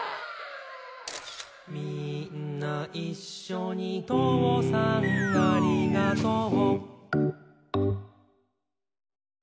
「みーんないっしょにとうさんありがとう」